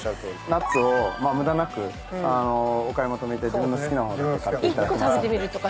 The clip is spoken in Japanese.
ナッツを無駄なくお買い求め自分の好きな物だけ買っていただけますので。